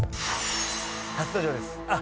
初登場です。